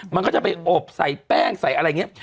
มันก็จะไปอบใส่แป้งใส่อะไรอย่างนี้